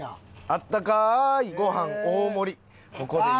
「あったかいご飯大盛り」